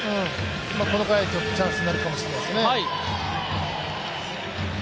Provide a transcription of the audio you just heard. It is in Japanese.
この回、チャンスになるかもしれないですね。